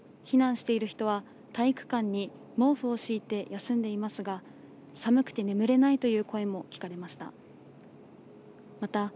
避難している人は体育館に毛布を敷いて休んでいますが寒くて眠れないという声も聞かれました。